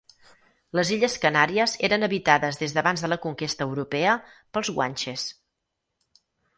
Les illes Canàries eren habitades des d'abans de la conquesta europea pels guanxes.